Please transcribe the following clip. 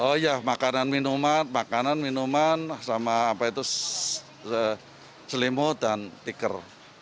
oh iya makanan minuman makanan minuman sama apa itu selimut dan tikar